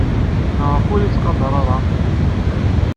Maɣf ur iyi-tettqadar ara?